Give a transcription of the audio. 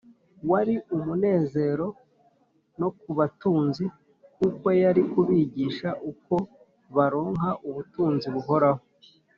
wari umunezero no ku batunzi kuko yari kubigisha uko baronka ubutunzi buhoraho